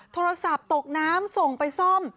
โทรศัพท์ตกน้ำส่งไปซ่อม